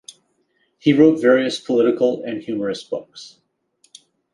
He wrote various political and humorous books.